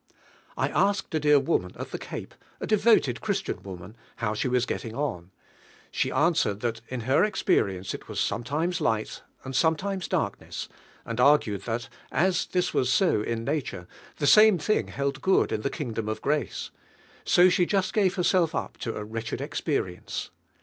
I asked a dear woman at the Cape a devoted Christ inn woman — bow she was gelling on. She answered that in her experience it was sometimes light and sometimes darkness, and argued that, as this was so in nature, the same thing held good in the kingdom of grace. So she just gave herself up to a wretched experience.